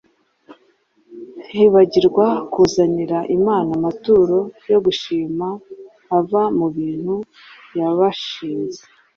Bibagirwa kuzanira Imana amaturo yo gushima ava mu bintu yabashinze.